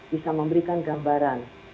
bisa memberikan gambaran